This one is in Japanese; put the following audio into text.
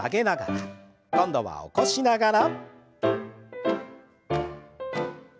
今度は起こしながら。